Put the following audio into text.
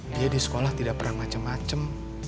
dia di sekolah tidak pernah macem macem